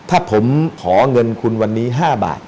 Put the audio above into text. ถ้าผมขอเงินคุณวันนี้๕บาท